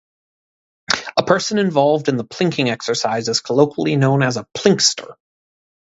A person involving in the plinking exercise is colloquially known as a "plinkster".